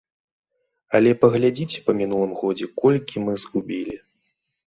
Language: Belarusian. Але паглядзіце па мінулым годзе, колькі мы згубілі.